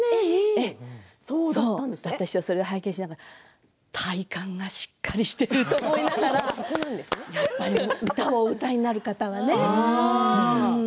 私は、それを拝見しながら体幹がしっかりしていると思いながら歌をお歌いになる方はね。